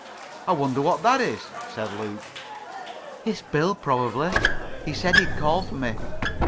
"I wonder what that is?" said Luke. "It's Bill, probably. He said he'd call for me."